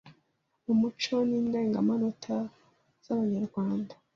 mu muco n’indengemenote z’Ebenyerwende,